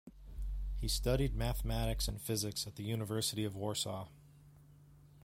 He studied mathematics and physics at the University of Warsaw.